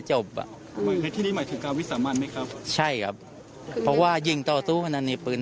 ฉันรู้สึกว่าสงฆ่าอยากให้รอบรองจิตส่วนของจริง